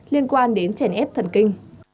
liên quan đến chèn ép thần kinh